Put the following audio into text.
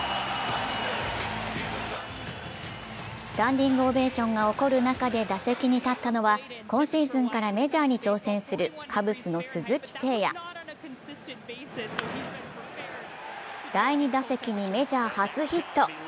スタンディングオベーションが起こる中で打席に立ったのは今シーズンからメジャーに挑戦するカブスの鈴木誠也第２打席にメジャー初ヒット。